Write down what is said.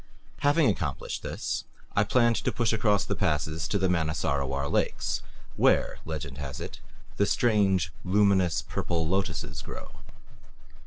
Having accomplished this, I planned to push across the passes to the Manasarowar Lakes, where, legend has it, the strange, luminous purple lotuses grow.